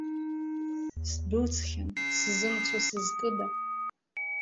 Сдәылҵхьан, сзымцо сызкыда?